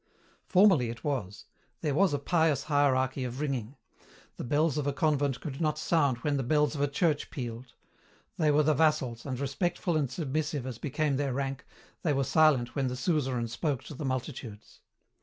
"Formerly it was. There was a pious hierarchy of ringing: the bells of a convent could not sound when the bells of a church pealed. They were the vassals, and, respectful and submissive as became their rank, they were silent when the Suzerain spoke to the multitudes.